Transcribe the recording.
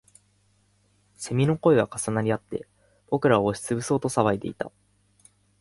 蝉の声は重なりあって、僕らを押しつぶそうと騒いでいた